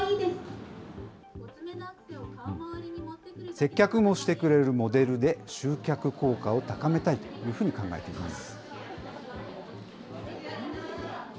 接客もしてくれるモデルで、集客効果を高めたいというふうに考えています。